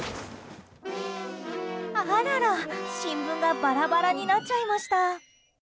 あらら、新聞がバラバラになっちゃいました。